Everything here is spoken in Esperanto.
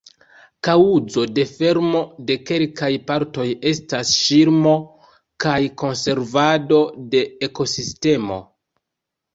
Kaŭzo de fermo de kelkaj partoj estas ŝirmo kaj konservado de ekosistemo.